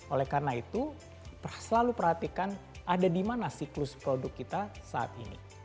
oleh karena itu selalu perhatikan ada di mana siklus produk kita saat ini